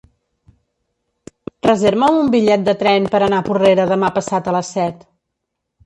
Reserva'm un bitllet de tren per anar a Porrera demà passat a les set.